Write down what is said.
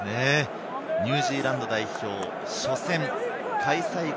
ニュージーランド代表は初戦、開催国